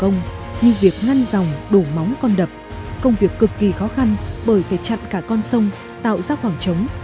như việc ngăn dòng đổ móng con đập công việc cực kỳ khó khăn bởi phải chặn cả con sông tạo ra khoảng trống